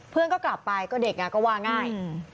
เพื่อนก็กลับไปก็เด็กก็ว่าง่าย